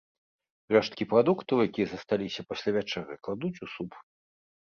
Рэшткі прадуктаў, якія засталіся пасля вячэры, кладуць у суп.